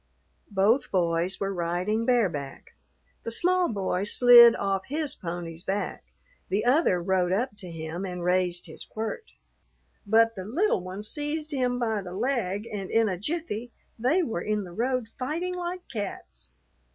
Both boys were riding bareback. The small boy slid off his pony's back; the other rode up to him and raised his quirt, but the little one seized him by the leg, and in a jiffy they were in the road fighting like cats.